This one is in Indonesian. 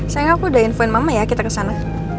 sayang aku udah infoin mama ya kita ke sana